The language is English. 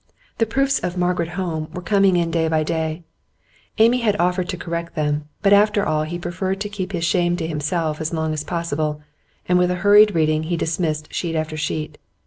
The proofs of 'Margaret Home' were coming in day by day; Amy had offered to correct them, but after all he preferred to keep his shame to himself as long as possible, and with a hurried reading he dismissed sheet after sheet.